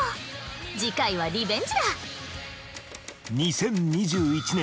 次回はリベンジだ！